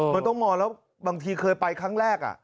มันต้องมองแล้วบางทีเคยไปครั้งแรก